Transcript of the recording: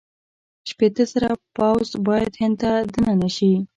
شپېته زره پوځ باید هند ته دننه شي.